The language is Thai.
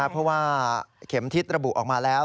เพราะว่าเข็มทิศระบุออกมาแล้ว